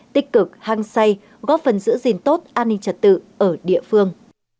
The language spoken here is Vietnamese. tích cực hăng say góp phần giữ gìn tốt an ninh trật tự ở địa phương